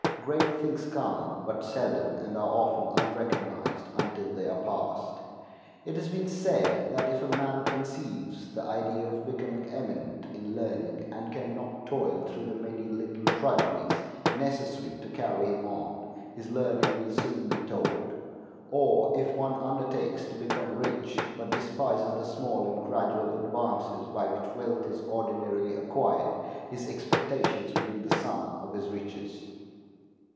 Great things come but seldom, and are often unrecognized until they are passed. It has been said that if a man conceives the idea of becoming eminent in learning, and can not toil through the many little drudgeries necessary to carry him on, his learning will soon be told. Or if one undertakes to become rich, but despises the small and gradual advances by which wealth is ordinarily acquired, his expectations will be the sum of his riches.